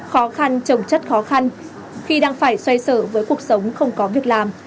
khó khăn trồng chất khó khăn khi đang phải xoay sở với cuộc sống không có việc làm